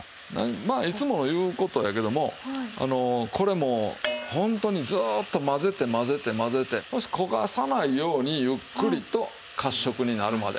まあいつも言う事やけどもこれもうホントにずーっと混ぜて混ぜて混ぜてそして焦がさないようにゆっくりと褐色になるまで。